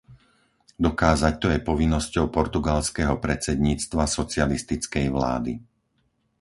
Dokázať to je povinnosťou portugalského predsedníctva socialistickej vlády.